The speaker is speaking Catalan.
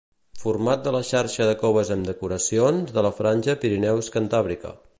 Format de la xarxa de coves amb decoracions de la franja "Pirineus-cantàbrica".